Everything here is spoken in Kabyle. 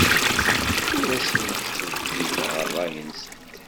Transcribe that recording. Ur asent-ttbeddileɣ ṛṛay-nsent.